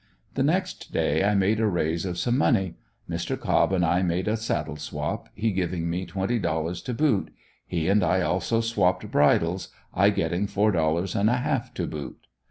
The next day I made a raise of some money. Mr. Cobb and I made a saddle swap, he giving me twenty dollars to boot. He and I also swapped bridles, I getting four dollars and a half to boot.